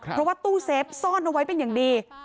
เพราะว่าตู้เซฟซ่อนเอาไว้เป็นอย่างดี